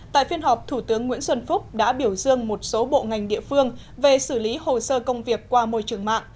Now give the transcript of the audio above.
tại phiên họp thủ tướng nguyễn xuân phúc đã biểu dương một số bộ ngành địa phương về xử lý hồ sơ công việc qua môi trường mạng